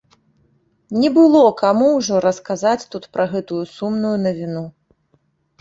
Не было каму ўжо расказаць тут пра гэтую сумную навіну.